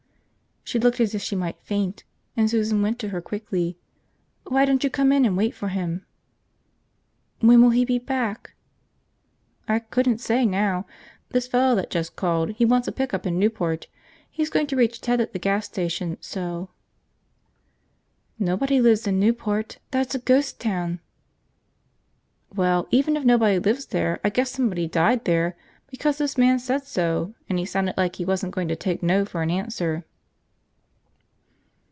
She looked as if she might faint, and Susan went to her quickly. "Why don't you come in and wait for him?" "When will he be back?" "I couldn't say, now. This fellow that just called, he wants a pickup in Newport. He's going to reach Ted at the gas station, so ..." "Nobody lives in Newport! That's a ghost town!" "Well, even if nobody lives there, I guess somebody died there because this man said so and he sounded like he wasn't going to take no for an answer."